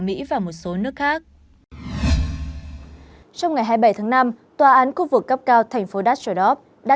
mỹ và một số nước khác trong ngày hai mươi bảy tháng năm tòa án khu vực cấp cao thành phố dastjeov đã